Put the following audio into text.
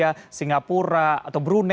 di asean malaysia singapura atau di indonesia